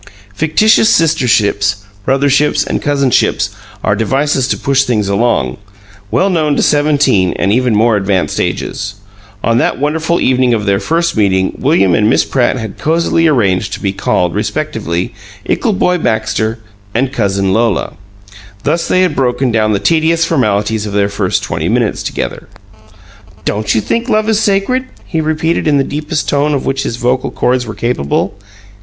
Fictitious sisterships, brotherships, and cousinships are devices to push things along, well known to seventeen and even more advanced ages. On the wonderful evening of their first meeting William and Miss Pratt had cozily arranged to be called, respectively, "Ickle boy Baxter" and "Cousin Lola." (Thus they had broken down the tedious formalities of their first twenty minutes together.) "Don't you think love is sacred?" he repeated in the deepest tone of which his vocal cords were capable.